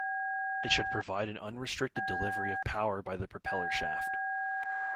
It should provide an unrestricted delivery of power by the propeller shaft.